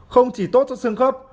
không chỉ tốt cho xương khớp